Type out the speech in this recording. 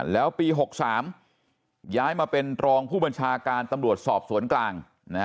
แล้วปี๖๓ย้ายมาเป็นรองผู้บัญชาการตำรวจสอบสวนกลาง